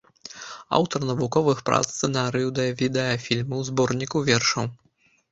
Аўтар навуковых прац, сцэнарыяў да відэафільмаў, зборнікаў вершаў.